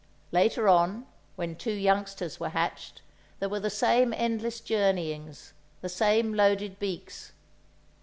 Later on, when two youngsters were hatched, there were the same endless journeyings, the same loaded beaks.